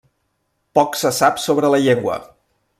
Poc se sap sobre la llengua.